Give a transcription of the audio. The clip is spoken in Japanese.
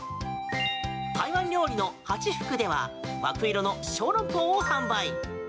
台湾料理の八福では枠色の小籠包を販売。